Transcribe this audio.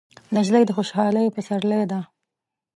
نجلۍ د خوشحالۍ پسرلی ده.